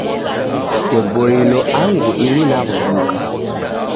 Kuseboilo angu ini naw'uduka